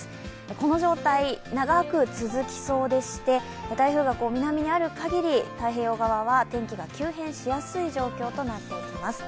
この状態長く続きそうでして台風が南にあるかぎり太平洋側は天気が急変しやすい状況となっています。